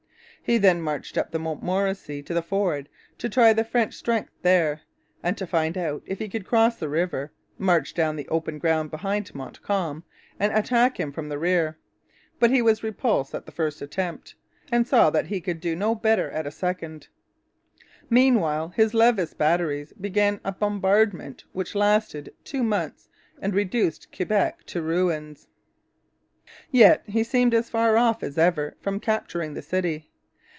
He then marched up the Montmorency to the fords, to try the French strength there, and to find out if he could cross the river, march down the open ground behind Montcalm, and attack him from the rear. But he was repulsed at the first attempt, and saw that he could do no better at a second. Meanwhile his Levis batteries began a bombardment which lasted two months and reduced Quebec to ruins. Yet he seemed as far off as ever from capturing the city.